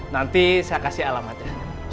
nanti saya kasih alamatnya